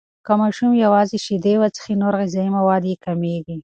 که ماشوم یوازې شیدې وڅښي، نور غذایي مواد یې کمیږي.